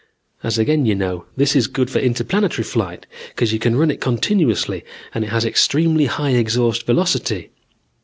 As again you know, this is good for interplanetary flight because you can run it continuously and it has extremely high exhaust velocity.